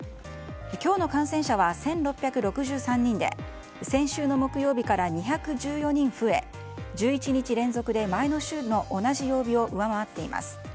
今日の感染者は１６６３人で先週の木曜日から２１４人増え１１日連続で前の週の同じ曜日を上回っています。